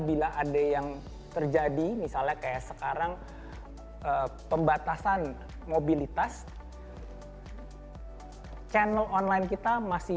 bila ada yang terjadi misalnya kayak sekarang pembatasan mobilitas channel online kita masih